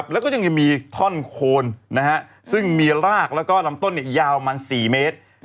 แล้วก็มีท่อนโคลซึ่งมีรากและลำต้นยาวประมาณ๔เมตร